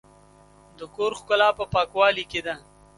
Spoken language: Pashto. د کور ښکلا په پاکوالي کې ده.